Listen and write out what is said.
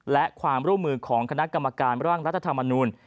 และความร่วมมือของคณะกรรมการร่างรัฐธรรมนูล